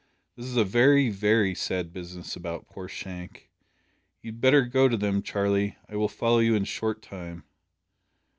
"This is a very, very sad business about poor Shank. You had better go to them, Charlie. I will follow you in a short time."